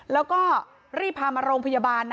แล้วก็รีบพามาโรงพยาบาลนะ